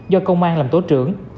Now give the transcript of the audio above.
do công an làm tổ trưởng